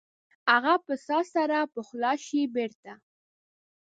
هغه به ساه سره پخلا شي بیرته؟